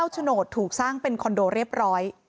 โฉนดถูกสร้างเป็นคอนโดเรียบร้อย